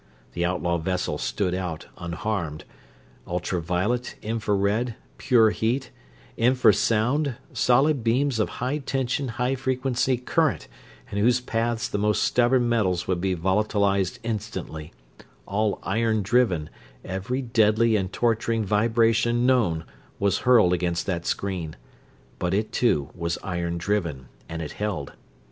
The outlaw vessel stood out, unharmed. Ultra violet, infra red, pure heat, infra sound, solid beams of high tension high frequency current in whose paths the most stubborn metals would be volatilized instantly; all iron driven, every deadly and torturing vibration known was hurled against that screen; but it, too, was iron driven, and it held.